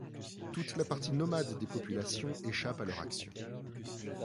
Toute la partie nomade des populations échappe à leur action.